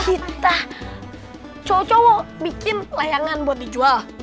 kita cowok cowok bikin layangan buat dijual